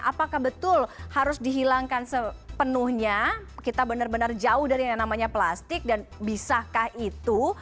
apakah betul harus dihilangkan sepenuhnya kita benar benar jauh dari yang namanya plastik dan bisakah itu